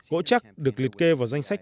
gỗ chắc được liệt kê vào danh sách